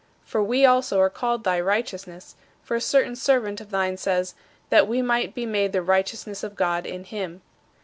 For we also are called thy righteousness, for a certain servant of thine says, "That we might be made the righteousness of God in him."